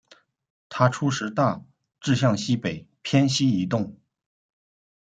它初时大致向西北偏西移动。